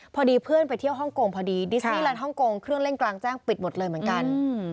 พอดีเพื่อนไปเที่ยวฮ่องกงพอดีดิสนี่แลนดฮ่องกงเครื่องเล่นกลางแจ้งปิดหมดเลยเหมือนกัน